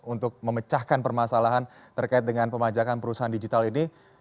untuk memecahkan permasalahan terkait dengan pemajakan perusahaan digital ini